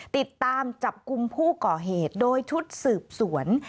ติดตามจับกลุ่มผู้ก่อเหตุโดยชุดสืบสวน